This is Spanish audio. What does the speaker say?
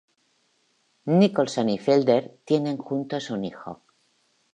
Nicholson y Felder tienen juntos un hijo.